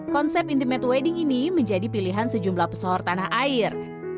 konsep in themed wedding ini menjadi pilihan sejumlah pesohor tanah air